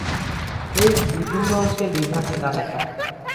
এর বিভিন্ন অংশের বিভ্রান্তি তা দেখায়।